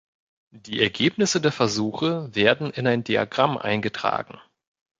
Die Ergebnisse der Versuche werden in ein Diagramm eingetragen.